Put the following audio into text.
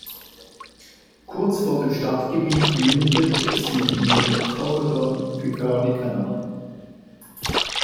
Kurz vor dem Stadtgebiet mündet sie in den Coevorden-Piccardie-Kanal.